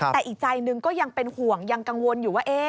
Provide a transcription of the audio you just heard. แต่อีกใจหนึ่งก็ยังเป็นห่วงยังกังวลอยู่ว่า